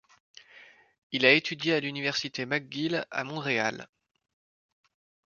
Il a étudié à l'université McGill à Montréal.